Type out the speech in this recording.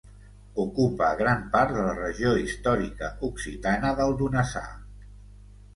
Ocupa gran part de la regió històrica occitana del Donasà.